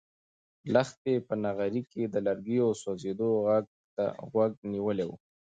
لښتې په نغري کې د لرګیو د سوزېدو غږ ته غوږ نیولی و.